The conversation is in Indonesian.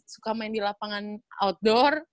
suka main di lapangan outdoor